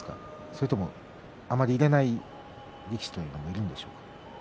それともあまり入れない力士というのもいるんでしょうか。